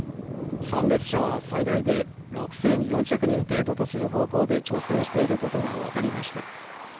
参列者は最大で６４００人程度とする方向で調整していることが分かりました。